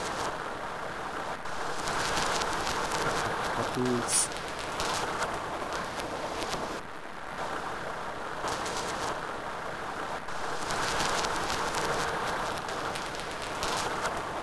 Akakg̲wa.óosʼ.